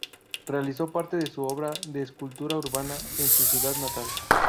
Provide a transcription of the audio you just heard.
Realizó parte de su obra de escultura urbana en su ciudad natal.